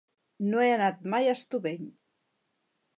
No he anat mai a Estubeny.